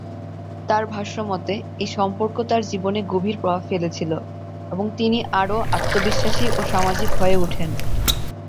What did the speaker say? তার ভাষ্যমতে এই সম্পর্ক তার জীবনে গভীর প্রভাব ফেলেছিল এবং তিনি আরও আত্মবিশ্বাসী ও সামাজিক হয়ে ওঠেন।